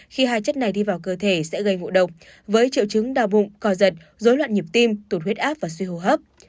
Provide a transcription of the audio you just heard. khi hai chất này đi vào cơ thể sẽ gây ngộ độc với triệu chứng đau bụng co giật dối loạn nhịp tim tổn huyết áp và suy hô hấp